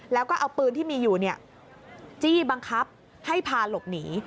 แล้วก็เอาปืนที่มีอยู่จี้บังคับให้พาหลบหนี